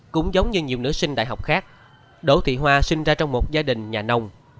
cũng giống như nhiều nữ sinh đại học khác đỗ thị hoa sinh ra trong một gia đình nhà nông